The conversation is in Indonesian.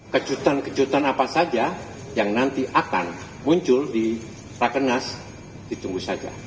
kejutan kejutan apa saja yang nanti akan muncul di rakenas ditunggu saja